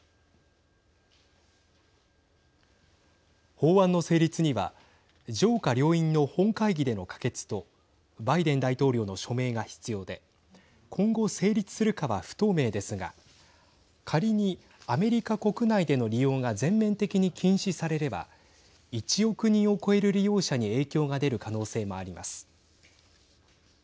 法案の成立には上下両院の本会議での可決とバイデン大統領の署名が必要で今後、成立するかは不透明ですが仮にアメリカ国内での利用が全面的に禁止されれば１億人を超える利用者に影響が出る可能性もあります。